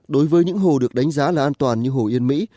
đối với những hồ được đánh giá là an toàn như hồ yên mỹ